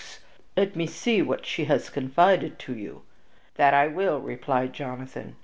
Let me see what it is she has confided to you." "That I will," replied Jonathan.